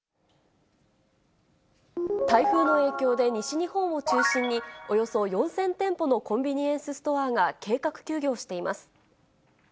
台風の影響で西日本を中心におよそ４０００店舗のコンビニエンスストアが計画休業しています。